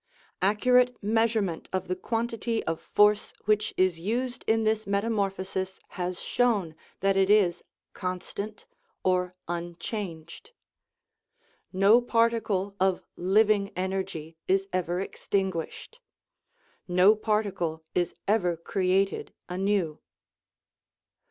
Accurate measurement of the quantity of force which is used in this metamorphosis has shown that it is " con stant" or unchanged. No particle of living energy is ever extinguished; no particle is ever created anew.